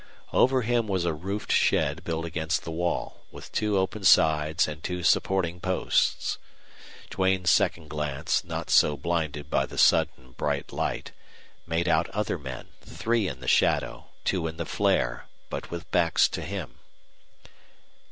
Over him was a roofed shed built against the wall, with two open sides and two supporting posts. Duane's second glance, not so blinded by the sudden bright light, made out other men, three in the shadow, two in the flare, but with backs to him.